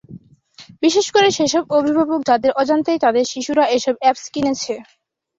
বিশেষ করে সেসব অভিভাবক যাঁদের অজান্তেই তাঁদের শিশুরা এসব অ্যাপস কিনেছে।